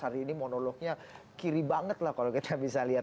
hari ini monolognya kiri banget lah kalau kita bisa lihat